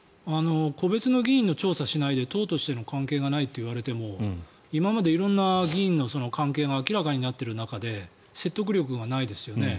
個別の議員の調査しないで党としての関係がないと言われても今まで色んな議員の関係が明らかになっている中で説得力がないですよね。